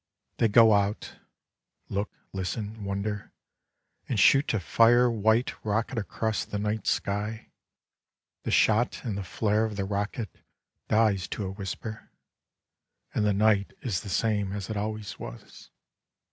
They go out, look, listen, wonder, and shoot a fire white rocket across the night sky; the shot and the flare of the rocket dies to a whisper; and the night is the same as it always was.